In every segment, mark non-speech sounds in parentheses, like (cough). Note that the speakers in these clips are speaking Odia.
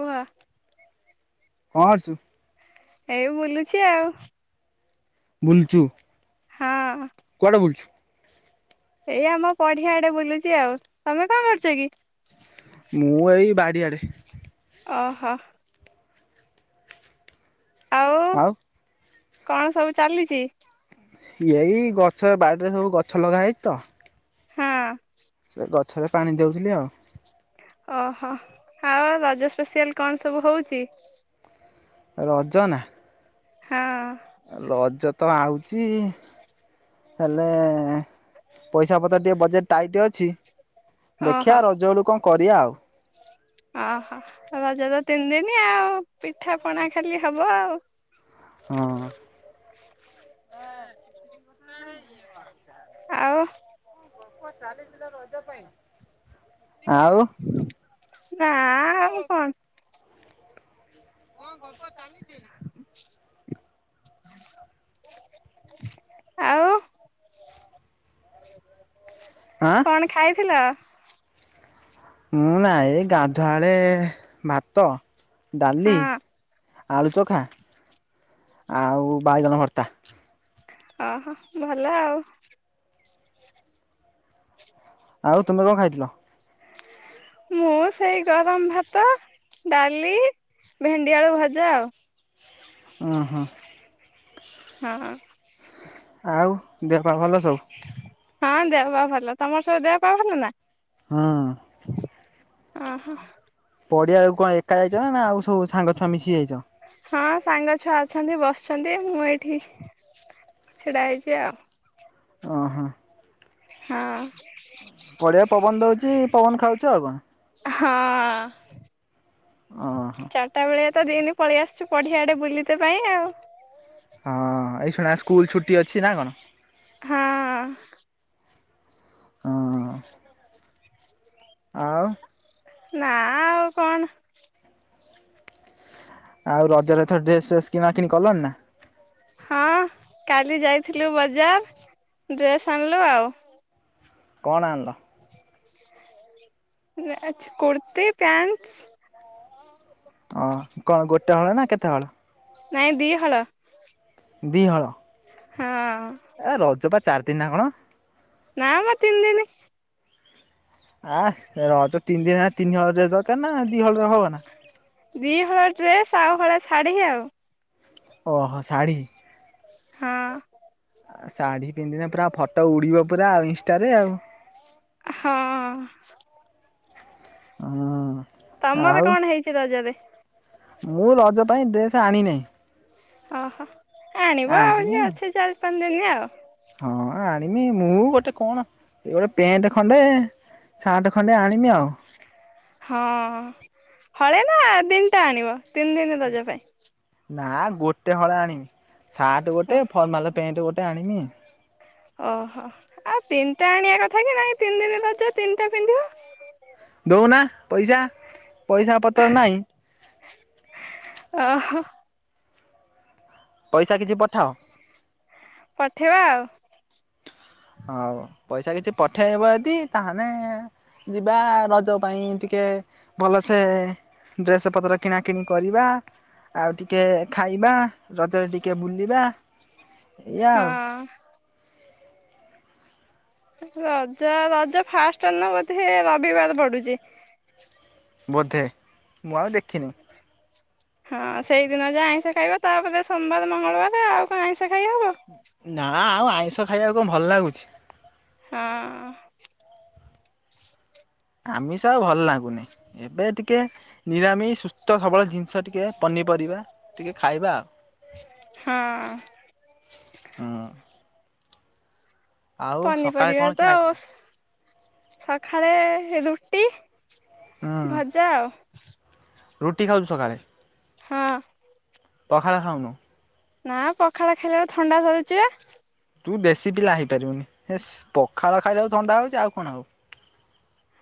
କୁହ। କଣ କରୁଚୁ? ଏଇ ବୁଲୁଛି ଆଉ। ବୁଲୁଚୁ। ହଁ। କୁଆଡ଼େ ବୁଲୁଛୁ? ଏଇ ଆମ ପଡ଼ିଆ ଆଡ଼େ ବୁଲୁଚି ଆଉ ତମେ କଣ କରୁଚକି? ମୁଁ ଏଇ ବାଡ଼ିଆଡ଼େ। ଓହୋ। ଆଉ। କଣ ସବୁ ଚାଲିଚି? ଏଇ ଗଛ ବାଡ଼ିରେ ସବୁ ଗଛ ଲଗାହଇଚିତ। ହଁ। ସେଇ ଗଛରେ ପାଣି ଦେଉଥିଲି ଆଉ। ଓହୋ ଆଉ ରଜ ସ୍ପେଶିଆଲ କଣ ସବୁ ହଉଚି? ରଜ ନା ହଁ। ରଜତ ଆଉଚି। ହେଲେ ପଇସା ପତ୍ର ଟିକେ ବଜେଟ ଟାଇଟ୍ ଅଛି। ଦେଖିଆ ଓହୋ ରଜ ବେଳକୁ କଣ କରିବା ଆଉ। ଓହୋ। ରଜତ ତିନି ଦିନି ଆଉ ପିଠା ପଣା ଖାଲି ହବ ଆଉ। ହଁ। ଆଉ? କଣ ଚାଲିଥିଲା ରଜ ପାଇଁ? ନା ଆଉ କଣ କଣ ଗପ ଚାଲିଥିଲା? ଆଉ (inaudible) ଆ? କଣ ଖାଇଥିଲ? ମୁଁ ନାଇଁ ଏ ଗାଧୁଆଳେ ଭାତ ଡାଲି ହଁ ଆଳୁ ଚୋଖା ଆଉ ବାଇଗଣ ଭର୍ତ୍ତା। ଓହୋ ଭଲ ଆଉ। ହ ଆଉ ତୁମେ କଣ ଖାଇଥିଲ? ମୁଁ ସେଇ ଗରମ ଭାତ ଡାଲି ଭେଣ୍ଡିଆଳୁ ଭଜା ଆଉ। ଓହୋ। ହଁ। ଆଉ ଦେହ ପା ଭଲ ସବୁ? ହଁ ଦେହ ପା ଭଲ। ତମର ସବୁ ଦେହ ପା ଭଲ ନା? ହଁ। ଅହ। ପଡିଆକୁ କଣ ଏକା ଯାଇଛ ନା ଆଉ ସବୁ ସାଙ୍ଗଛୁଆ ମିଶି ଯାଇଛ? ହଁ ସାଙ୍ଗ ଛୁଆ ଅଛନ୍ତି ବସିଛନ୍ତି ମୁଁ ଏଇଠି ଛିଡା ହେଇଛି ଆଉ। ଓହୋ। ହଁ। ବଢ଼ିଆ ପବନ ଦଉଛି ପବନ ଖାଉଛି ଆଉ କଣ। ହଁ। ଓହୋ। ଚାରିଟା ବେଳେ ତ ଦିନ ପଳେଇ ଆସୁଛୁ ପଢିଆଡେ ବୁଲିିତେ ପାଇଁ ଆଉ। ହଁ ଏଇ ଶୁଣା ସ୍କୁଲ ଛୁଟି ଅଛି ନା କଣ? ହଁ। ହଁ। ଆଉ ନା ଆଉ କଣ। ଆଉ ରଜରେ ଏଥର ଡ୍ରେସ ଫେସ କିଣା କିଣି କଲଣି ନା? ହଁ କାଲି ଯାଇଥିଲୁ ବଜାର ଡ୍ରେସ୍ ଆଣିଲୁ ଆଉ। କଣ ଆଣିଲ? ଆଛା କୁର୍ତି ପ୍ୟାଣ୍ଟ। ଓ କଣ ଗୋଟେ ହଳ ନା କେତେ ହଳ? ନାଇଁ ଦି ହଳ। ଦି ହଳ। ହଁ। ଏ ରଜ ବା ଚାରି ଦିନି ନା କଣ? ନାଁ ମ ତିନ ଦିନି। ଆ ରଜ ତିନି ଦିନ ହେ ତିନି ହଳ ଡ୍ରେସ ଦରକାର ନା ଦି ହଳରେ ହବ ନା। ଦି ହଳ ଡ୍ରେସ ଆଉ ହଳେ ଶାଢୀ ଆଉ। ଓହୋ ଶାଢ଼ୀ। ହଁ ଶାଢୀ ପିନ୍ଧିନେ ପୁରା ଫଟୋ ଉଡିବ ପୁରା ଆଉ ଇନଷ୍ଟାରେ ଆଉ। ହଁ। ହଁ। ତମର ଆଉ କଣ ହେଇଛି ରଜରେ? ମୁଁ ରଜ ପାଇଁ ଡ୍ରେସ ଆଣି ନେଇଁ ଓହୋ ଆଣିବ ଆହୁରି ଆଣିନି। ଅଛି ଚାରି ପାଞ୍ଚ ଦିନି ଆଉ। ହଁ ଆଣିମି ମୁଁ ଗୋଟେ କଣ ଏ ଗୋଟେ ପେଣ୍ଟ୍ ଖଣ୍ଡେ ସାର୍ଟ ଖଣ୍ଡେ ଆଣିମି ଆଉ। ହଁ ହଳେ ନା ତିନଟା ଆଣିବ ତିନି ଦିନି ରଜ ପାଇଁ? ନା ଗୋଟେ ହଳେ ଆଣିମି ସାର୍ଟ ଗୋଟେ ଫର୍ମାଲ ପେଣ୍ଟ୍ ଗୋଟେ ଆଣିମି। ଓ ହୋ। ଆଉ ତିନିଟା ଆଣିଆ କଥା କି ନାଇ ତିନି ଦିନି ରଜ ତିନିଟା ପିନ୍ଧିବ। ଦଉନା ପଇସା ପଇସା ପତ୍ର ନାଇଁ। ଓ ହୋ। ପଇସା କିଛି ପଠାଅ। ପଠେଇବା ଆଉ। ହଉ ପଇସା କିଛି ପଠେଇବ ଯଦି ତାହେନେ ଯିବା ରଜ ପାଇଁ ଟିକେ ଭଲସେ ଡ୍ରେସ ପତ୍ର କିଣା କିଣି କରିବା। ଆଉ ଟିକେ ଖାଇବା ରଜରେ ଟିକେ ବୁଲିବା ଏଇଆ ଆଉ। ହଁ। ରଜ ରଜ ଫାଷ୍ଟ ନ ବୋଧେ ରବିବାର ପଡୁଚି। ବୋଧେ ମୁଁ ଆଉ ଦେଖିନି। ହଁ ଆଉ ସେଇଦିନ ଯାହା ଆଇଁଷ ଖାଇବ ତାପରେ ସୋମବାରେ ମଙ୍ଗଳବାରେ ଆଉ କଣ ଆଇଁଷ ଖାଇହବ। ନା ଆଉ ଆଇଁଷ ଖାଇବାକୁ କଣ ଭଲ ଲାଗୁଚି। ହଁ। ଆମିଷ ଆଉ ଭଲ ଲାଗୁନି ଏବେ ଟି କେ ନିରାମି ସୁସ୍ଥ ସବଳ ଜିନିଷ ଟିକେ ପନିପରିବା ଟିକେ ଖାଇବା ଆଉ। ହଁ। ହୁଁ। ଆଉ ସକାଳେ ପନିପରିବା କଣ ଖିଆ ତ ଓ ହେଇଥିଲା? ସଖାଳେ ରୁଟି ହୁଁ ଭଜା ଆଉ। ରୁଟି ଖାଉଚୁ ସକାଳେ? ହଁ। ପଖାଳ ଖାାଉନୁ? ନା ପଖାଳ ଖାଇଲା ବେଳୁ ଥଣ୍ଡା ଧରୁଚି ବା। ତୁ ଦେଶୀ ପିଲା ହେଇପାରିବୁନି ହେସ୍ ପଖାଳ ଖାଇଲା ବେଳକୁ ଥଣ୍ଡା ହଉଚି ଆଉ କଣ ହବ।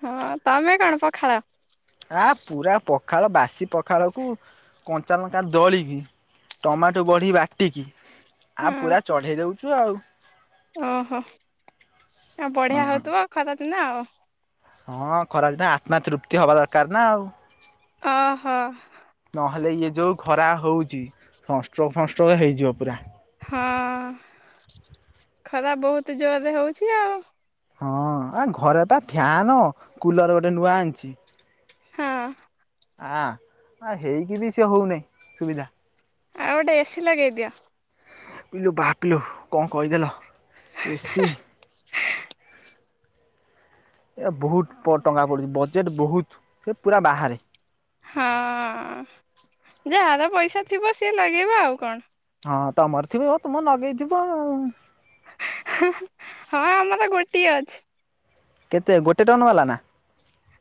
ହଁ ତମେ କଣ ପଖାଳ? ଆ ପୁରା ପଖାଳ ବାସି ପଖାଳକୁ କଞ୍ଚା ଲଙ୍କା ଦଳିକି ଟମାଟୋ ବଡି ବାଟିକି ଆ ହଁ ପୁରା ଚଢେଇ ଦେଉଚୁ ଆଉ। ଓହୋ ଆଉ ହଁ ବଢିଆ ହଉ ଥିବ ଖରା ଦିନେ ଆଉ। ହଁ ଖରା ଦିନେ ଆତ୍ମା ତୃପ୍ତି ହବା ଦରକାର ନା ଆଉ। ଅ ହ। ନହେଲେ ଇଏ ଯୋଉ ଖରା ହଉଚି ସଂଷ୍ଟ୍ରୋକ ଫଂଷ୍ଟ୍ରୋକ ହେଇଯିବ ପୁରା। ହଁ ଖରା ବହୁତ ଜୋରରେ ହଉଛି ଆଉ। ହଁ ଆ ଘରେ ପା ଫ୍ୟାନ କୁଲର ଗୋଟେ ନୂଆ ଆଣିଛି। ହଁ। ହଁ ହେଇକି ବି ସେ ହଉନହିଁ ସୁବିଧା। ଆଉ ଗୋଟେ ଏସି ଲଗେଇ ଦିଅ। ଇଲୁ ବାପିଲୁ କଁ କହିଦେଲ ଏସି। ଏ ବହୁତ ଟଙ୍କା ପଡ଼ୁଛି ବଜେଟ୍ ବହୁତ ସେ ପୁରା ବାହାରେ। ହଁ ଯାହାର ପଇସା ଥିବ ସିଏ ଲଗେଇବା ଆଉ କଣ। ହଁ ତମର ଥିବେ ଆଉ ତୁମେ ଲଗେଇଥିବ ଆଉ। ହଁ ଆମର ଗୋଟିଏ ଅଛି। କେତେ ଗୋଟେ ଟନ ବାଲା ନା।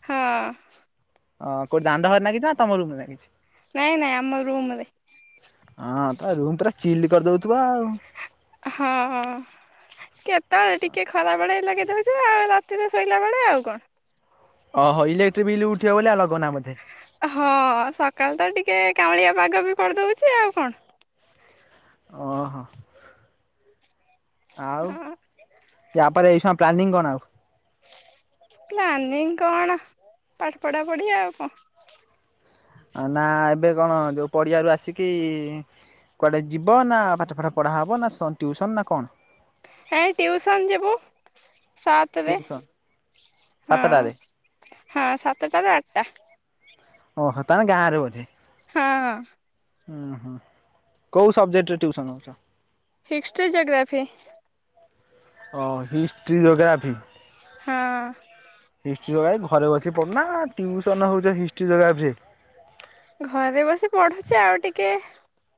ହଁ। ଅ ଦାଣ୍ଡ ଘରେ ଲାଗିଛି ନା ତମ ରୁମ୍ ଲାଗିଛି? ନାଇଁ ନାଇଁ ଆମ ରୁମରେ। ହଁ ତ ରୁମ ପୁରା ଚିଲ୍ କରିଦଉଥିବା ଆଉ। ହଁ ହଁ। କେତେବେଳେ ଟିକେ ଖରା ବେଳେ ଲଗେଦଉଛ ଆଉ ରାତିରେ ଶୋଇଲା ବେଳେ ଆଉ କଣ। ଓହୋ ଇଲେକ୍ଟ୍ରିକ ବିଲ୍ ଉଠିବ ବ ଆ ଲଗନା ବୋଧେ। ହଁ ସକାଳ ତ ଟିକେ କାଉଁଳିଆ ପାଗ ବି କରିଦଉଛି ଆଉ କଣ। ଓ ହୋ। ଆଉ ହଁ ୟାପରେ ଏଇ ସମୟ ପ୍ଲାନିଂ କଣ ଆଉ? ପ୍ଲାନିଂ କଣ ପାଠ ପଢା ପଢିଆ ଆଉ କଣ। ନା ଏବେ କଣ ଯୋଉ ପଡିଆରୁ ଆସିକି କୁଆଡ଼େ ଯିବ ନା ପାଠ ପାଠ ପଢ଼ା ହେବ ନା ଟ୍ୟୁସନ୍ ନା କଣ? ହେ ଟିଉସନ ଯିବୁ ସାତରେ ଟିଉସନ ହଁ। ସାତଟାରେ ହଁ ସାତଟା ରୁ ଆଠଟା। ଓହୋ ତାନେ ଗାଁରେ ବୋଧେ? ହଁ। ଉୁଁ ହୁଁ କୋଉ ସବଜେକ୍ଟ ରେ ଟଟିୁସନ ହଉଚ? History geography. ଓ ହିଷ୍ଟ୍ରି ଜୋଗ୍ରାଫି? ହଁ ହିଷ୍ଟ୍ରି ଯୋଗାଇ ଘରେ ବସି ପଢୁନା ଟ୍ୟୁସନ ହେଉଛ ହିଷ୍ଟ୍ରି ଯୋଗାଫି। ଘରେ ବସି ପଢୁଛି ଆଉ ଟିକେ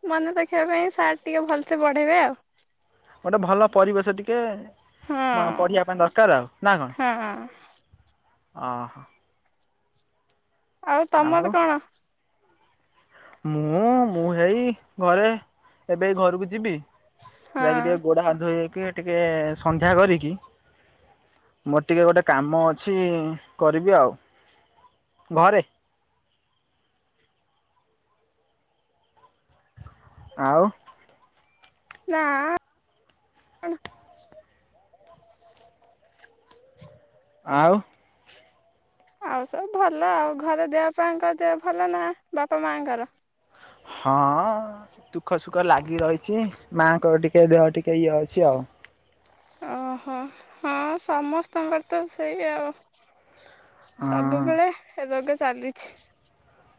ମନେ ରଖିବା ପାଇଁ ସାର୍ଟ ଟିକେ ଭଲସେ ବଢ଼େଇବେ ଆଉ। ଗୋଟେ ଭଲ ପରିବେଶ ଟିକେ ପଢିବା ପାଇଁ ଦରକାର ଆଉ। ନା କଣ? ହଁ ହଁ ଅଁ ହଁ। ଆଉ ତମର କଣ? ମୁଁ ମୁଁ ହେଇ ଘରେ ଏବେ ଘରକୁ ଯିବି। ହଁ ଯାଇକି ଟିକେ ଗୋଡା ହାତ ଧୋଇହେଇକି ଟିକେ ସନ୍ଧ୍ୟା କରିକି ମୋର ଟିକିଏ ଗୋଟେ କାମ ଅଛି କରିବି ଆଉ। ଘରେ ଆଉ। ନା। ଆଉ? ଆଉ ସବୁ ଭଲ ଆଉ। ଘରେ ଦେହପାଙ୍କର ଦେ ଭଲ ନା ବାପା ମାଙ୍କର? ହଁ ଦୁଃଖ ସୁଖ ଲାଗି ରହିଛି, ମାଙ୍କ ଟିକେ ଦେହ ଟିକେ (unintelligible) ଆଉ। ଅଃ ହଁ ସମସ୍ତଙ୍କର ତ ସେଇ ଆଉ। ହଁ ସବୁବେଳେ (unintelligible) ଚାଲିଛି।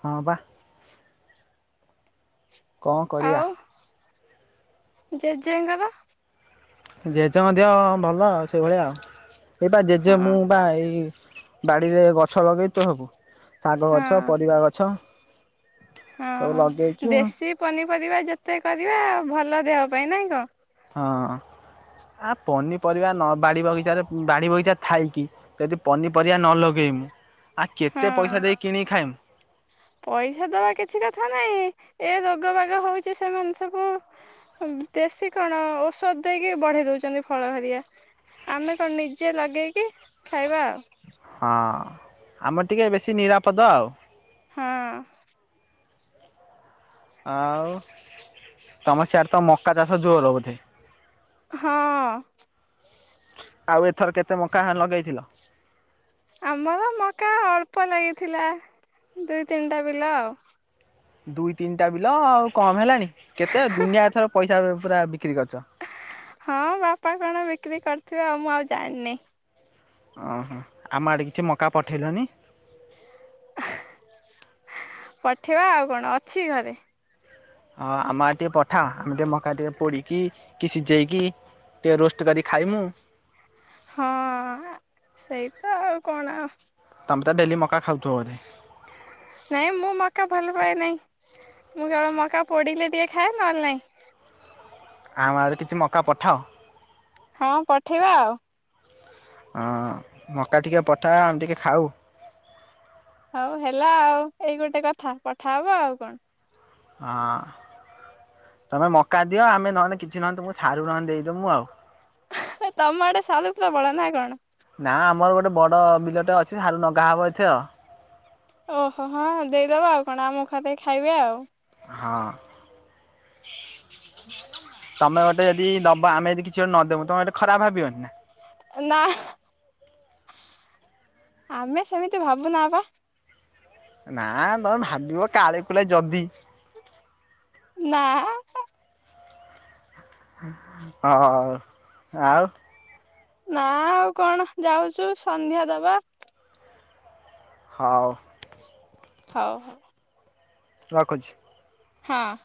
ହଁ ପା। କଣ କରିବା। ଜେଜେ ଙ୍କ ର? ଜେଜେ ଙ୍କ ଦେହ ଭଲ ଆଉ ସେଇଭଳିଆ ଆଉ ଏ ପା ଜେଜେ ହଁ ମୁଁ ବା ଏଇ ବାଡିରେ ଗଛ ଲଗେଇ (unintelligible) ଶାଗ ଗଛ ହଁ ପରିବା ଗଛ ସବୁ ହଁ ଲଗେଇଚୁ ଆଉ। ଦେଶୀ ପନିପରିବା ଯେତେ କରିବା ଭଲ ଦେହ ପାଇଁ ନାଇଁ କଣ? ହଁ ଆ ପନିପରିବା ନ ବାଡ଼ି ବଗିଚାରେ ବାଡ଼ି ବଗିଚା ଥାଇକି ଜେଦି ପନିପରିବା ନ ଲଗେଇମୁଁ ଆ କେତେ ହଁ ପଇସା ଦେଇକି କିଣିକି ଖାଇମୁଁ। ପଇସା ଦବା କିଛି କଥା ନାଇଁ ଏ ରୋଗ ବାଗ ହୋ ଉଚି ସେମାନେ ସବୁ ଦେଶୀ କଣ ଔଷଧ ଦେଇକି ବଢେଇ ଦୋଉଚନ୍ତି ଫଳ ହାରିକା। ଆମେ ତ ନିଜେ ଲଗେଇକି ଖାଇବା ଆଉ। ହଁ ଆମର ଟିକେ ବେଶୀ ନିରାପଦ ଆଉ। ହଁ ଆଉ ତମ ସିଆଡେ ତ ମକା ଚାଷ ଯୋରୋ ବୋଧେ? ହଁ ଆଉ ଏଥର କେତେ ମକା ଲଗେଇଥିଲ? ଆମର ମକା ଅଳ୍ପ ଲାଗିଥିଲା ଦୁଇ ତିନିଟା ବିଲ ଆଉ। ଦୁଇ ତିନିଟା ବିଲ ଆଉ କମ ହେଲାଣି କେତେ ଦୁନିଆ ଏଥର ପଇସା ପୁରା ବିକ୍ରି କରିଚ। ହଁ ବାପା କଣ ବିକ୍ରି କରିଥିବେ ଆଉ ମୁଁ ଆଉ ଜାଣିନି। ଅଁହଁ ଆମ ଆଡେ କିଛି ମକା ପଠେଇଲନି। ପଠେଇବା ଆଉ କଣ ଅଛି ଘରେ। ହଁ ଆମ ଆଡେ ଟିକେ ପଠା ଆମେ ଟିକେ ମକା ଟିକେ ପୋଡିକି କି ସିଯେଇକି ଟିକେ ରୋଷ୍ଟ କରିକି ଖାଇମୁଁ। ହଁ ସେଇ ତ ଆଉ କଣ ଆଉ। ତମେ ତ ଡେଲି ମକା ଖାଉଥିବ ବୋଧେ? ନାଇଁ ମୁଁ ମକା ଭଲ ପାଏନାହିଁ। ମୁଁ କେବଳ ମକା ପୋଡ଼ିଲେ ଟିକେ ଖାଏ ନଲେ ନାଇଁ। ଆମ ଆଡେ କିଛି ମକା ପଠାଅ। ହଁ ପଠେଇବା ଆଉ ଅଁ ମକା ଟିକେ ପଠା ଆମେ ଟିକେ ଖାଉ। ହୋଉ ହେଲା ଆଉ ଏଇ ଗୋଟେ କଥା ପଠାହବ ଆଉ କଣ। ହଁ ତମେ ମକା ଦିଅ ଆମେ ନହେନେ କିଛି ନହେନେ ତମକୁ ସାରୁ ନହେନେ ଦେଇଦୋମୁଁ ଆଉ। ତମ ଆଡେ ସାରୁ ପ୍ରବଳ ନାଁ କଣ? ନା ଆମର ଗୋଟେ ବଡ଼ ବିଲଟେ ଅଛି ସାରୁ ନଗାହବ (unintelligible) ଓ ହୋ ହୋ ହଁ ଦେଇଦେବା ଆଉ କଣ ଆମ (unintelligible) ଖାଇବେ ଆଉ। ହଁ। ତମେ ଗୋଟେ ଯଦି ଦବ ଆମେ ଯଦି କିଛି ଗୋଟେ ନଦୋବୁ ତମେ ଗୋଟେ ଖରାପ ଭାବିବନି ନା। ନା। ଆମେ ସେମିତି ଭାବୁନା ପା। ନା ତମେ ଭାବିବ କାଳେ କୁଳେ ଯଦି ନା ହଁ ଆଉ। ନା ଆଉ କଣ ଯାଉଛୁ ସନ୍ଧ୍ୟା ଦବା। ହଉ। ହଉ ହଉ। ରଖୁଛି। ହଁ।